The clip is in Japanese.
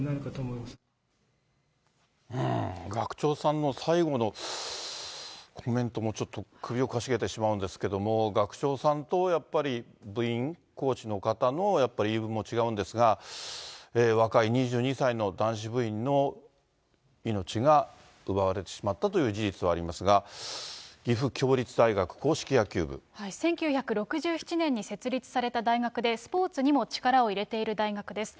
うーん、学長さんの最後のコメントもちょっと首をかしげてしまうんですけれども、学長さんとやっぱり部員、コーチの方のやっぱり言い分も違うんですが、若い２２歳の男子部員の命が奪われてしまったという事実はありますが、１９６７年に設立された大学で、スポーツにも力を入れている大学です。